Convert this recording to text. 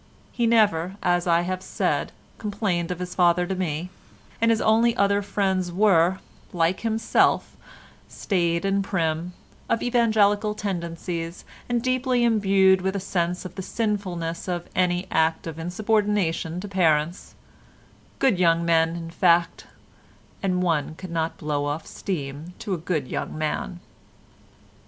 He never, as I have said, complained of his father to me, and his only other friends were, like himself, staid and prim, of evangelical tendencies, and deeply imbued with a sense of the sinfulness of any act of insubordination to parents—good young men, in fact—and one cannot blow off steam to a good young man.